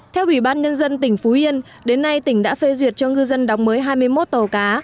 theo ủy ban nhân dân tỉnh phú yên đến nay tỉnh đã phê duyệt cho ngư dân đóng mới hai mươi một tàu cá